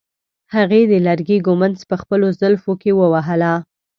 هغې د لرګي ږمنځ په خپلو زلفو کې وهله.